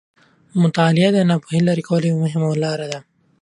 مطالعه د ناپوهي د لیرې کولو یوه مهمه لاره ده.